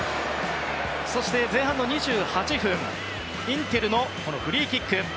そして前半２８分インテルのフリーキック。